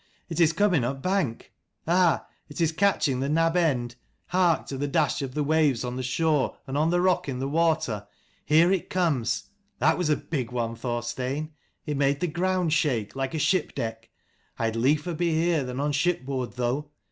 It is coming upbank. Ah, it is catching the nab end : hark to the dash of the waves on the shore and on the rock in the water. Here it comes. That was a big one, Thorstein : it made the ground shake, like a ship deck. I had liefer be here than on shipboard, though.